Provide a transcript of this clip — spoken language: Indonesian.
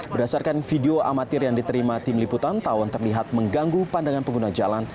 berdasarkan video amatir yang diterima tim liputan tawon terlihat mengganggu pandangan pengguna jalan